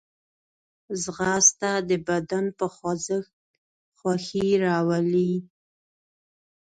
ځغاسته د بدن په خوځښت خوښي راولي